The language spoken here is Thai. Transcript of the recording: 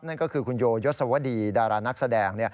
นั่นก็คือคุณโยยศวดีดารานักแสดง